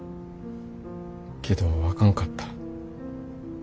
けどあかんかった。